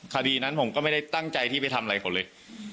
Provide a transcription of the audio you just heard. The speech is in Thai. คดีนั้นผมก็ไม่ได้ตั้งใจที่ไปทำอะไรเขาเลย